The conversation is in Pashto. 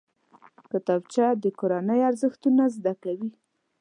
کتابچه د کورنۍ ارزښتونه زده کوي